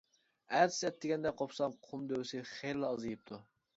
ئەتىسى ئەتىگەندە قوپسام قۇم دۆۋىسى خېلىلا ئازىيىپتۇ.